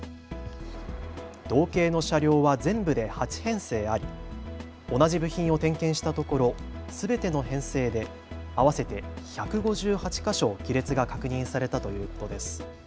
同型の車両は全部で８編成あり同じ部品を点検したところすべての編成で合わせて１５８か所亀裂が確認されたということです。